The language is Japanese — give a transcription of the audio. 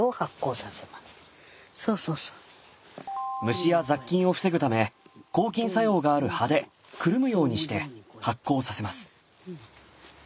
虫や雑菌を防ぐため抗菌作用がある葉でくるむようにして発酵させます。